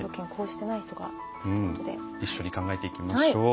一緒に考えていきましょう。